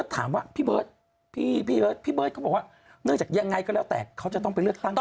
ก็ต้องชูนิ้วโป้งที่